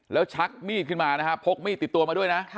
แล้วชักมีดขึ้นมานะฮะพกมีดติดตัวมาด้วยนะ